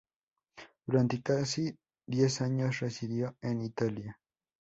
Durante casi diez años residió en Italia.